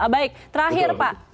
baik terakhir pak